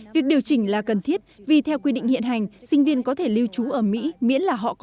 việc điều chỉnh là cần thiết vì theo quy định hiện hành sinh viên có thể lưu trú ở mỹ miễn là họ có giấy y tế